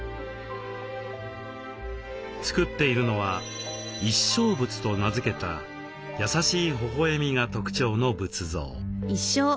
作っているのは「一笑仏」と名付けた優しいほほえみが特徴の仏像。